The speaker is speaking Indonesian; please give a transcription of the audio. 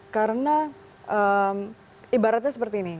karena ibaratnya seperti ini